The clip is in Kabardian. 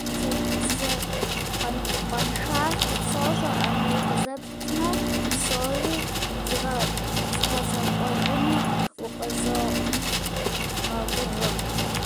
Сызэрыкъуаншар сощӀэ, Ӏэмал къызэптмэ, псори згъэзэкӏуэжыну укъызогъэгугъэ.